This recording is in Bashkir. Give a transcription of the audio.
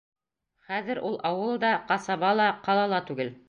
Хәҙер ул ауыл да, ҡасаба ла, ҡала ла түгел.